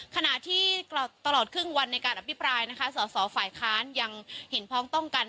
ขณะที่ตลอดครึ่งวันในการอภิปรายนะคะสอสอฝ่ายค้านยังเห็นพ้องต้องกัน